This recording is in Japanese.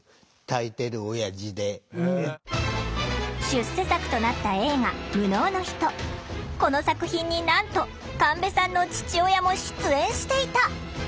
出世作となったこの作品になんと神戸さんの父親も出演していた！